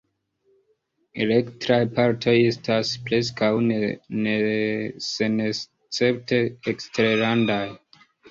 Elektraj partoj estas preskaŭ senescepte eksterlandaj.